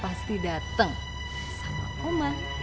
pasti dateng sama oma